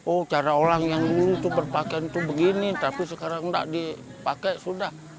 oh cara orang yang dulu itu berpakaian itu begini tapi sekarang tidak dipakai sudah